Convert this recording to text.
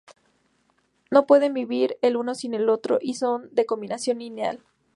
No pueden vivir el uno sin el otro y son la combinación ideal.